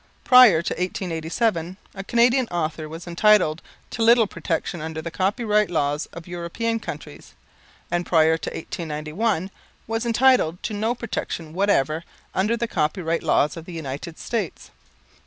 Prior to 1887, a Canadian author was entitled to little protection under the Copyright Laws of European countries, and prior to 1891 was entitled to no protection whatever under the Copyright Laws of the United States.